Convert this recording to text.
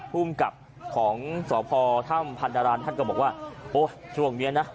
ภูมิกับของสอบพอร์ถ้ำพันธรรมรสท่านก็บอกว่าโอ้ช่วงเนี้ยนะ